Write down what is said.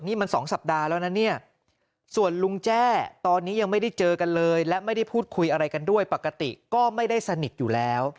นี่มัน๒สัปดาห์แล้วนะเนี่ยส่วนลุงแจ้ตอนนี้ยังไม่ได้เจอกันเลยและไม่ได้พูดคุยอะไรกันด้วยปกติก็ไม่ได้สนิทอยู่แล้ว